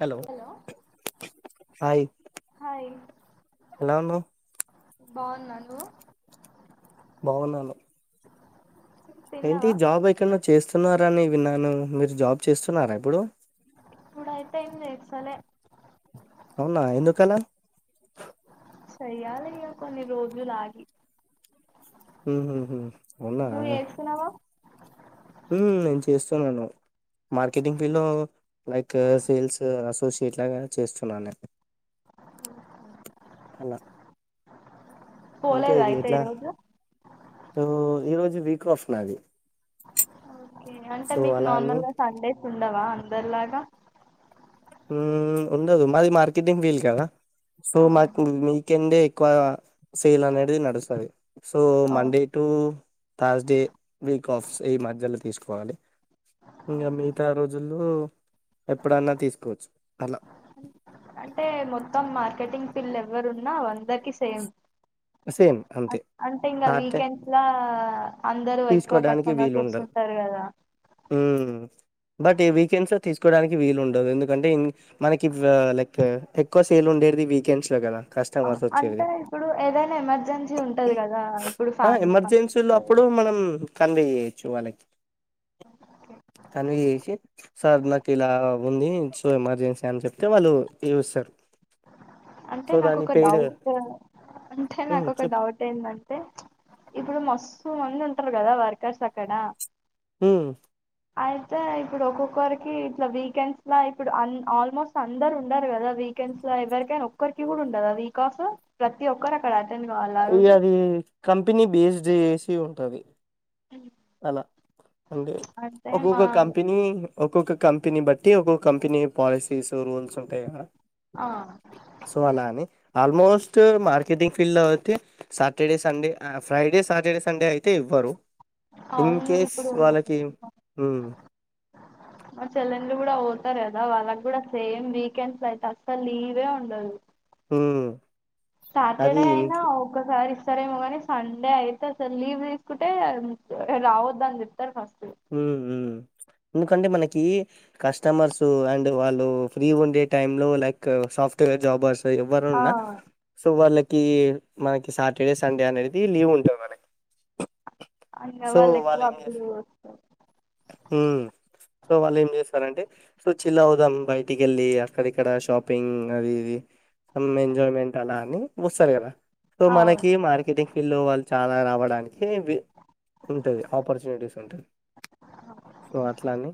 Hello hi ఎలా ఉన్నావ్ బావున్న నువ్వు బాగున్నాను ఏంటి తిన్నావా జాబ్ ఎక్కన్నో చేస్తున్నారని విన్నాను మీరు జాబ్ చేస్తున్నారా ఇప్పుడు ఇప్పుడైతే ఏం చేస్తాలే అవునా ఎందుకలా చెయ్యాలిగా కొన్ని రోజులు ఆగి ఉహు హు నువ్ చేస్తున్నవో ఉమ్ చేస్తున్నాను మార్కెటింగ్ ఫీల్డ్ లో లైక్ సేల్స్ అసోసియేట్ లాగా చేస్తున్నా నేను ఆహా అలా పోలేదా ఇంకేది అయితే ఇట్లా ఈరోజు ఈ రోజు వీకాఫ్ నాది ఓకే అంటే సో మీకు అలా అని నార్మల్గ సండేస్ ఉండవా అందరిలాగా మ్ ఉండదు మాది మార్కెటింగ్ ఫీల్ కదా సో మాకు ఆహా. మీ కెన్డే ఎక్కువగా సేల్ అనేది నడుస్తది సో ఓ Monday to Thursday week offs ఈ మధ్యలో తీసుకోవాలి ఇంగ ఆహా. మిగితా రోజుల్లో ఎప్పుడన్న తీసుకోవచ్చు అలా అంటే మొత్తం మార్కెటింగ్ ఫిల్డ్ ఎవ్వరున్నా అందరికి సేమ్ సేమ్ అంతే అంటే ఇంగ సాటర్డే వీకెండ్ ఇట్లా అందరు ఎక్కువ కష్టమర్స్ వస్తు ఉంటరు గదా మ్ బట్ ఈ వీకెండ్స్ లో తీసుకోడానికి వీలు ఉండదు ఎందుకంటే మనకి వ లైక్ ఎక్కువ సేల్ ఉండేడిది వీకెండ్స్ లో కదా కస్ అంటే ఇప్పుడు ఏదైన ఎమర్జెన్సీ ఉంటది గదా ఇప్పుడు ఆ ఫ్యామిలీ ఎమర్జెన్సీలో ఫంక్షన్సు అప్పుడు మనం కన్వే చేయచ్చు వాళ్ళకి కన్వె చేషి సార్ నాకు ఇలా ఉంది సో ఎమర్జెన్సీ అని చెప్తే వాళ్ళు లీవ్ ఇస్తరు అంటే నాకు ఒక డౌటు అంటే ఉమ్, నాకు ఒక చెప్ డౌట్ ఏందంటే ఇప్పుడు మస్తూ మంది ఉంటరు గదా వర్కర్స్ అక్కడ ఉమ్మ్ అయితే ఇప్పుడు ఒక్కొక్కరికి ఇట్ల వీకెండ్స్‌ల ఇప్పుడు అన్ ఆల్మో అందరు ఉండరు గదా వీకెండ్స్‌లో ఎవరికైన ఒ క్కరికి కూడా ఉండదా వీకాఫ్ ప్రతి ఒక్కరు అక్కడ అటెండ్ గావలా ఆరోజు మ్ కంపెనీ బేస్డ్ ఏసి ఉంటది ఎన్ని అలా అంటే మా ఒక్కొక్క కంపెనీ ఒక్కొక్క కంపెనీ బట్టి ఒక్కొక్క కంపెనీ పాలసీస్ రూల్స్ ఉంటయి గదా ఆహ్ సో అలా అని ఆల్మోస్ట్ మార్కెటింగ్ ఫీల్డ్లో అయితే సాటర్డే సండే ఆ ఫ్రైడే సాటర్డే సండే అయితే ఇవ్వరు ఇన్ అవును కేస్ ఇప్పుడు వాళ్ళకి ఉమ్మ్ మా చెల్లెండు కూడా పోతారు గదా వాళ్ళకి కూడా సేమ్ వీకెండ్స్ అయితే అసలు లీవే ఉండదు ఉమ్ అది సటర్డే ఇన్ అయినా ఒకసారి ఇస్తారేమో కాని సండే అయితే అసలు లీవ్ తీస్కుంటే రావొద్దని చెప్తారు ఫస్ట్ ఉహు ఎందుకంటే మనకి కస్టమర్స్ అండ్ వాళ్ళు ఫ్రీ ఉండే టైమ్‌లో లైక్ సాఫ్ట్వేర్ జాబర్స్ సో ఆ ఎవరున్నా సో వాళ్ళకి మనకి సాటర్డే సండే అనేది లీవ్ ఉ ఆ ఇంగ వాళ్ళెక్కువ అప్పుడు హు సో వాళ్ళేం చేసరు అంటే సో చిల్ అవుదాం బయటికేలి అక్కడ ఇక్కడ షాపింగ్ అది ఇది ఫన్ ఎంజాయ్మెంట్ అలా అని ఒస్తాలేర సో మనకి అవును మార్కెటింగ్ పిల్లు వాళ్ళు చాలా రావడానికివి ఉంటుంది ఆపర్చునిటీస్ ఉంటది సో అట్లాని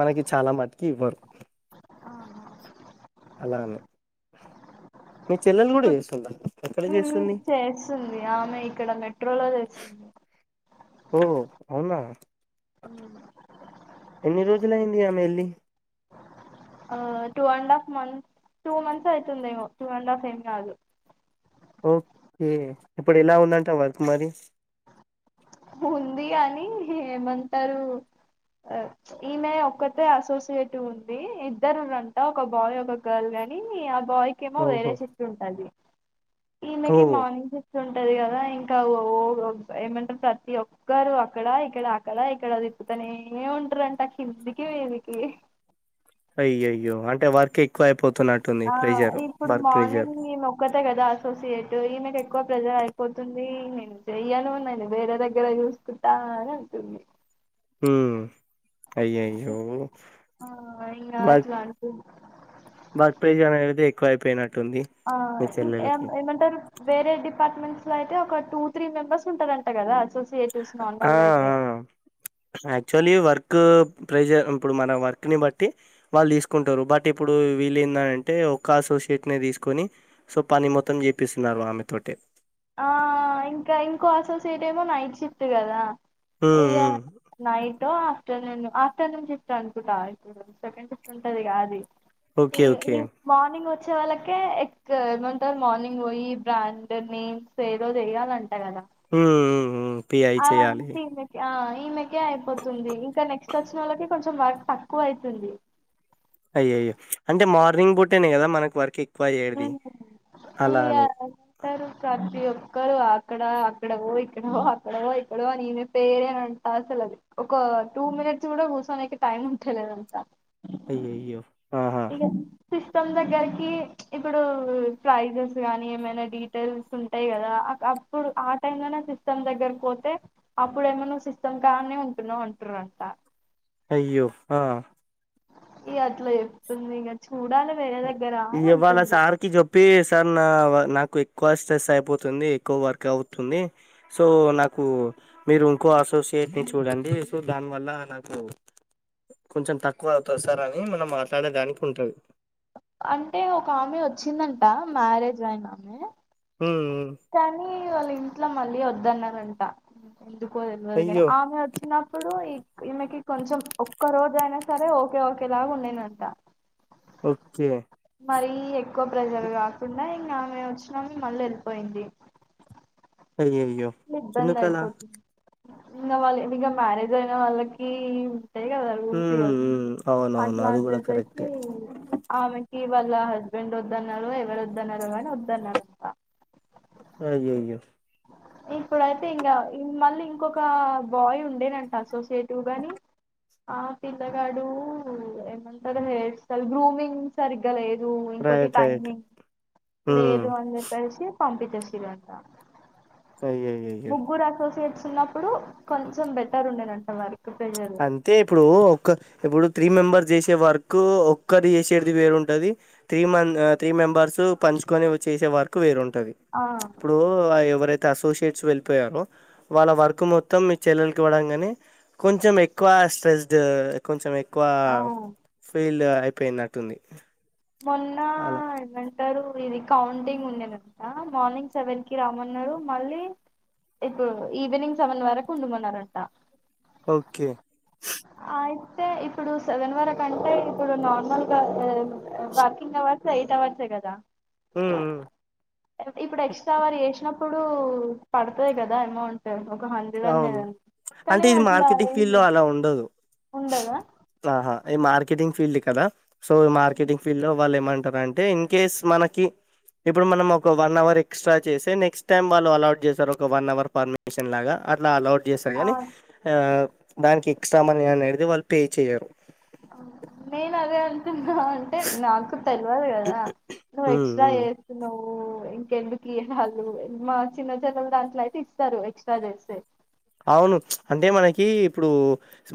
మనకి చాలా మటుకి ఇవ్వరు అలానే. మీ చెల్లెలు కూడా ఇప్పుడు చేస్తుందా ఎక్కడ జేస్తుంది స్తుంది ఆమె ఇక్కడ మెట్రోలో చేసు ఓ అవున హు ఎన్ని రోజులైంది ఆమె ఎళ్లి ఆ two and half month two months అయితుంది ఏమో టూ అండ్ హఫ్ ఏం కాదు ఓ కే ఇప్పుడేలా ఉందంట వర్క్ మరి ఉంది గాని ఏమంటారు ఆ ఈమె ఒక్కతే అసోసియేట్ ఉంది ఇద్దరుంట ఒక బాయ్ ఒక గర్ల్ గాని ఆ బాయ్ కేమో ఓహో వేరే శిఫ్ట్ ఉంటది. ఓ ఈమెకి మార్నింగ్ శిఫ్ట్ ఉంటది కదా ఇంకా ఓ ఓ ఏమంటరు తి ఒక్కరు అక్కడ ఇక్కడ అక్కడ ఇక్కడ తిప్పుతనే ఉంటారంట కిందికి మీదికి అయ్యయ్యో అంటే వర్క్ ఎక్కువ అయిపోతున్నట్ ఆ ఇప్పుడు మార్నింగ్ నేనొక కోత్త కదా అసోసియేట్ ఈ మీకే ఎక్కువ ప్రెజర్ అయిపోతుంది. నేను చెయ్యను నేను వేరే దగ్గర చూస్కుంటా అని అంటుంది హూ అయ్యయే నాది అన్కు వర్క్ ప్రేజన్ అనేది ఎక్కువైపోయినట్టుంది ఆ ఇం ఏ-ఏమంటారు వేరే డిపార్ట్మెంట్స్లో అయితే ఒక టూ త్రీ మెంబర్స్ ఉంటారంట కదా సు ఆ హా యాక్చువలీ వర్కు ప్రెజర్ ఇప్పుడు మన వర్క్ని బట్టి వాళ్ళు తీస్కుంటారు బట్ ఇప్పుడు వీళ్ళెంద అంటే ఒక్క అసోసియేట్ని తీస్కొని సో పని మొత్తం చేపిస్తున్నారు ఆమె తోటే ఆ ఇంకా ఇంకో అసోసియేట్ ఏమో నైట్ షిఫ్ట్ కదా హ్మ్. ఇగ హ్మ్. నైట్ ఆఫ్టర్నూన్ ఆఫ్టర్నూన్ షిఫ్ట్ అనుకుంటా సెకండ్ షిఫ్ట్ ఉంటది అది ఇ ఓకే. ఓకే. ఇ మార్నింగోచ్చే వాళ్ళకే ఎక్క ఏమంటారు మార్నింగ్ వోయి బ్రాండ్ని పెదో చెయాలంట కదా హ్మ్. హ్మ్. హ్మ్. పిఐ చేయాలి. అదంతా ఆ ఈమెకే అయిపోతుంది ఇంకా నెక్స్ట్ వచ్చిన వాళ్ళకి కొంచెం వర్క్ తక్కువైతుంది అయ్యయే అంటే మార్నింగ్ పుట్టేనే కదా మనకు వర్కేక్కువయ్యేది అలా అని ఇస్తారు ప్రతి ఒక్కరూ అక్కడ అక్కడవో ఇక్కడవో అక్కడవో ఇక్కడవో ఈమే పేరం అసలు ఒక టూ మినిట్స్ కూడా కూర్చోడానికి టైమ్ ఉంటలేదంట అయ్యయ్యో ఆహా! ఇగ సిస్టమ్ దగ్గరికి ఇప్పుడు ప్రైజెస్ గానీ ఏమైనా డీటెయిల్స్ ఉంటాయి కదా ఇప్పుడు ఆ టైం లోనే సిస్టమ్ దగ్గరకి పోతే అప్పుడేమో నువు సిస్టం కానే ఉంటున్నావు అంటురంట అయ్యో ఆ ఇ అట్లా చెప్తుంది ఇంగ చూడాలి వేరే దగ్గర అని నివ్వాలా అంటుంది సార్ కి చెప్పు పీస్ సార్ నా నాకు ఎక్కువ స్ట్రెస్ అయిపోతుంది ఎక్కువ వర్క్ అవుతుంది సో నాకు మీరు ఇంకో అసోసియేట్ ని చూడండి సో దాని వల్ల నాకు కొంచెం తక్కువ అవుతు సార్ అని మనం మాట్లాడే దానికి ఉంటది అంటే ఒక ఆమె వచ్చిందంట మ్యారేజ్ ఆయిన ఆమె ఉమ్ మ్ కానీ వాళ్ళ ఇంట్లో మళ్ళీ వద్దన్నరంట ఎందుకో తెలియదు కాని అయ్యో! ఆమె వచ్చిన నాక్ ఇప్పుడు ఈ ఈమెకి కొంచెం ఒక్క రోజ అయినా సరే ఓకే ఓకే లాగా ఉండి నంట ఓకే మరీ ఎక్కువ ప్రెజర్ కాకుండా ఇంకా ఆమె వచ్చినాం మళ్ళీ వెళ్ళిపోయింది అయ్యయ్యో ఇబ్బంది ఎందుకలా? అయిపోతుంది ఉన్న వాళ్ళ ఇగ మ్యారేజ్ అయిన వాళ్ళకి ఉంటాయి హ్మ్ [unintelligible] కద హ్మ్ అవునవును అట్లా అది అని కూడా కరెక్టే చెప్పేసి ఆమెకి వాళ్ళ హస్బెండ్ వద్దన్నారు ఎవరు వద్దన్నారు కానీ వద్దన్నారు అంట అయ్యయ్యో ఇప్పుడైతే ఇంగ మళ్ళీ ఇంకొక బాయ్ ఉండేనంట అసోసియేటివ్ గాని ఆ పిల్లగాడు ఏమంత హేర్ స్టైల్ గ్రూమింగ్ సరిగ్గా లేదు ఇంకోటి రైట్ రైట్ టైమింగ్ హ్మ్ లేదుఅంది ప్పేసి పంపిచేసిరంట అయ్యయ్యో ముగ్గురు అసోసియేట్స్ ఉన్నప్పుడు కొంచెం బెటర్ ఉండేనంట వర్క్ ప్రెజర్ అంతే ఇప్పుడు ఒక్క ఇప్పుడు త్రీ మెంబర్స్ చేసే వర్క్ ఒక్కరు చేసేది వేరుంటది తీమన్ ఆ తీమెంబర్స్ పంచుకొని వ్ చేసే వర్క్ వేరుంటది ఆ ఇప్పుడు అ ఎవరైతే అసోసియేట్స్ వెళ్ళిపోయారో వాళ్ళ వర్క్ మొత్తం మీ చెల్లెలకి ఇవ్వడం గనీ కొంచెం ఎక్కువ స్ట్రెస్డ్ కొంచెం ఎక్కువ ఆ ఫీలు అయ్ పెయినట్టుంది మొన్న అల ఐమంటారు ఇది కౌంటింగ్ ఉండెనంట మార్నింగ్ సెవెన్ కి రమ్మన్నారు మళ్ళీ ఇప్పుడు ఈవినింగ్ సెవెన్ వరకు వుండుమన్నారంట ఓకే అయితే ఇప్పుడు సెవెన్ వర కంటే ఇప్పుడు నార్మల్గా ఇ వర్కింగ్ అవర్ సెయిట్ అవర్సే గదా ఉమ్ ఇప్పుడు ఎక్స్ట్రా అవరు చేసినప్పుడు పడతది గదా ఎమౌ ంట్ ఒక హండ్రెడ్ అన్న అవును గన్ కానీ అట్లా ఏం లె అ ఉండదు ఉండదా ఆహా ఏ మార్కెటింగ్ ఫీల్డ్ కదా సో ఇ మార్కెటింగ్ ఫీల్డ్ లో వాళ్ ఏమంటరంటే ఇన్ కేస్ మనకి ఇప్పుడు మనం ఒక వన్ అవర్ ఎక్స్ట్రా చేసె నెక్స్ట్ టైమ్ వాళ్ళు అలాట్ చేశారు ఒక వన్ అవర్ పర్మిషన్ లాగా అట్లా అలౌడ్ జేస్తరు కనీ ఆ దానిక్ ఎక్స్ట్రా మనీ అనేడిది వాళ్ళు పే చేయరు అ నేను అదే అంటున్నా అంటే నాకు తెలవదు గదా నువ్ ఉమ్, ఎక్స్ట్రా ఉమ్. చేస్ నువ్వు ఇంకెందుకు ఇయ్యరాలు మా చిన్న చెల్లెలు దాంట్లో అయితే ఇస్తారు ఎక్స్ట్రా చేస్తే అవును అంటే మనకి ఇప్పుడు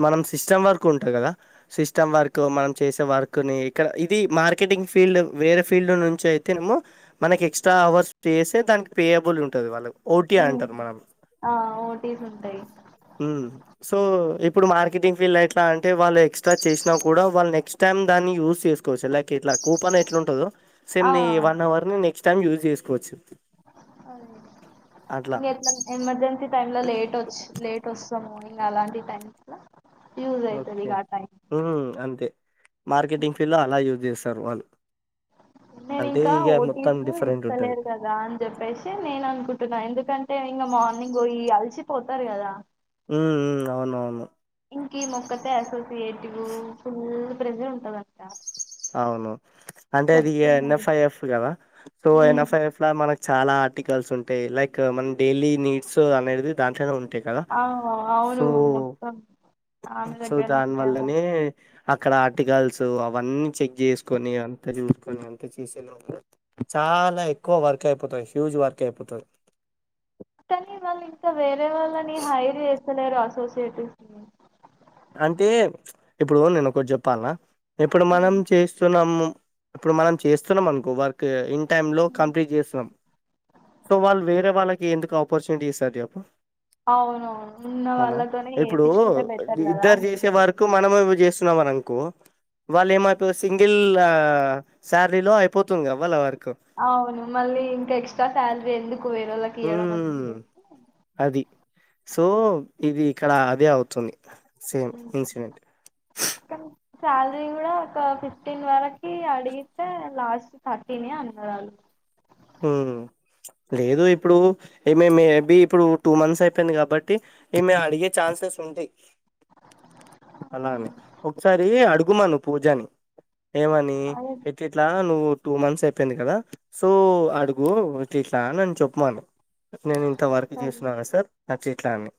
మనం సిస్టమ్ వర్క్ ఉంట గదా సిస్టమ్ వర్క్ మనం చేసే వర్క్ని ఇక్కడ ఇది మార్కెటింగ్ ఫీల్డ్ వేరే ఫీల్డ్ నుంచి అయితే నేమో మనక్ ఎక్స్ట్రా అవర్స్ పేస్తే దానికి పేయబుల్ ఉంటది వాళ్ళు ఓటీ అంటరు మనం ఆ ఓటీస్ ఉంటయ్ ఉమ్ సో ఇప్పుడు మార్కెటింగ్ ఫీల్డ్ ఎట్లా అంటే వాళ్ళు ఎక్స్ట్రా చేసినా కూడా వాళ్ నెక్స్ట్ టమ్ దాన్ని యూస్ చేసుకోవచ్చు లైక్ ఇట్లా కూపన్ ఎట్ల ఉంటదో సేమ్ ఆ నీ వన్ అవర్ ని నెక్స్ట్ టైం యూజ్ చేసుకోవచ్చు అదెలె అట్లా ఇంగ్ ఎట్లా ఎమర్జెన్సీ టైమ్ లో లేట్ ఒచ్చి లేట్ ఒస్తము అని ఇంగ అలాంటి టైమ్స్ ల ఓకే ఉహు అంతే మార్కెటింగ్ ఫీల్డ్ లో అలా యూజ్ జేస్తారు వాళ్ళు నేను అంటే ఇగ మొత్తం డిఫరెంట్ ఉంటది రా అన్ చెప్పేశి నేననుకుంటున్నా ఎందుకంటే ఇంగ మార్నింగ్ పోయి అలిసిపోతారు గదా ఉమ్ ఉమ్ అవునవును ఇంక ఇమోక్కతే అసోసియేటివ్ ఫుల్లు ప్రేజర్ ఉంటదంట సవును అంటే అది ఇ చెప్తున్నారు ఎన్ఎఫ్ఐఎఫ్ గదా టూ ఉమ్ ఎన్ఎఫ్ఐఎఫ్ లా మనక్ చాలా ఆర్టికల్స్ ఉంటయ్ లైక్ మన డైలీ నీడ్స్ అనేడిది దాంట్లోనే ఉంటయ్ కదా ఆ అవును సో మొత్తం ఆమె సో దగ్గరనే దాన్ ఉంటాయి అవ వల్లనే అక్కడ ఆర్టికల్స్ అవన్నీ చెక్ జేసుకొని అంత చూసుకొని అంత చేసే లొ చాలా ఎక్కువ వర్క్ అయిపోతది ఫ్యూజ్ వర్క్ అయిపోతది కనీ వాళ్ళు ఇంకా వేరే వాళ్ళని హైర్ జెస్తలేరు అసోసియేటివ్స్ ని అంటే ఇప్పుడు నేను ఒకట్ జెప్పాల్ న ఇప్పుడు ఉమ్ మనం చేస్తున్నాము ఇప్పుడు మనం చేస్తున్నాం అనుకో వర్క్ ఇన్ టైమ్ లో ఉమ్. కంప్లీట్ జేస్తున్నాం సో వాళ్ళు వేరే వాళ్ళకీ యెందుకు ఆపర్చునిటీ ఇస్తారు జెప్పు అవును అవును ఉన్న వాళ్ళతోనే యేపిచ్చుకుంటది బెటర్ గదా అనుకుంటరు మనము ఇవ్వి జేస్తున్నామనన్కో వాళ్లేమైపో సింగిల్ ఆ సాల్రీలో అయిపోతుందిగద వాళ్ళ వర్కు ఆవును మళ్ళీ ఇంకా ఎక్స్ట్రా సాల్రీ ఎందుకు వేరోళ్ళకియ్యడం అన్ ఉమ్ జెప్పేసి అది సో ఇది ఇక్కడా అదే అవుతుంది సేమ్ ఇన్సిడెంట్ కన్ సాల్రీ గుడా ఒక్క ఫిఫ్టీన్ వరకీ అడిగితే లాస్ట్ థర్టీనే అన్నరాల్లు ఉమ్ లేదూ ఇప్పుడూ ఏమేమేబీ ఇప్పుడూ టూ మంత్స్ అయిపెయింది గాబట్టి ఈమె అడిగే ఛాన్సెస్ ఉంటయ్ అలా అని ఒక్సరీ అడుగుమను పూజాని ఏమని అదే ఇట్లిట్లా నువ్వు టూ మంత్స్ అయిపెయింది గదా సో అడుగూ ఇట్లిట్లా అనన్ చెప్పుమాను నేను ఇంత వర్కు సరే జేస్నా సార్ అట్లిట్లా అని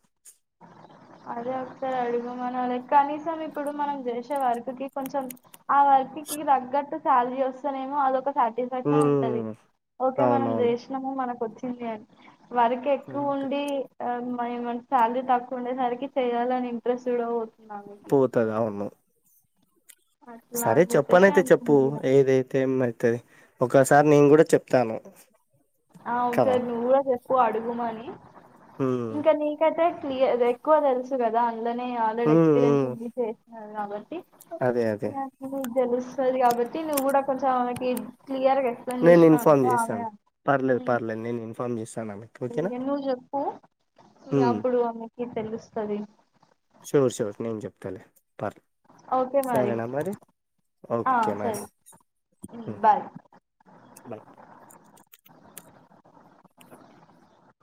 అదే అదొక్సారడుగు మనాలె కనీసం ఇప్పుడు మనం జేశే వర్కుకి కొంచం ఆ వర్క్ కీ దగ్గట్టు సాల్రీ ఒస్తెనేమో అదొక సాటి ఫ్యాక్షను ఉంటది ఉమ్ ఓకే మనం అవునవును జీష్ణమూ మనకొచ్చిందీ అని వర్ అంతే కెక్కువుండీ ఆ మనిద్ మన సాల్రీ తక్కువుండే సరికి చెయ్యాలని ఇంట్రెస్ట్ గుడా పోత్ [unintelligible] తదా ఉన్ను అట్లా సరే అని చెప్పేసి చెప్పనైతె చెప్పూ అంటుంది ఇగ ఏదైతే ఏమున్నది ఒకాసారి నేన్ గూడ చెప్తాను ఆ కదా ఒసారి నువ్వు గూడ జెప్పు అడుగుమని ఉమ్ ఇంక నీ కైతే క్లియర్ ఎక్కువ దెల్సు గదా అండ్లనే ఉమ్ ఆల్రెడెక్స్పీరియన్స్ ఉమ్ ఉంది చేసినారు గాబట్టి అదే అదె నీక్ దెలుస్తది గాబట్టి నువ్ గూడా కొంచమామకి క్లియర్గ ఎక్స్ప్లెయిన్ నేను ఇన్ఫార్మ్ జేష్ణవనుకో ఆమె చేస్తాను పర్లేదు పర్లేద్ నేను ఇన్ఫామ్ జెస్తాన్ ఆమె ఇంగ నువ్ జెప్పు ఇగ ఉమ్ అప్పుడు అమెకి తెలుస్తదీ షూర్ షూర్ నేన్ జెప్తలే పర్ సరేనా మరి ఆ ఓకే మరి సరే హ్మ్ ఉమ్, బాయ్ బాయ్